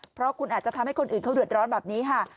เพราะคุณอาจจะทำให้คนอื่นเขาเดือดร้อนแบบนี้ค่ะ